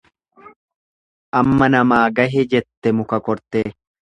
Amma namaa gahe jette muka kortee.